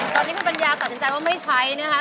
ตอนนี้คุณปัญญาตัดสินใจว่าไม่ใช้นะคะ